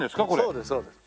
そうですそうです。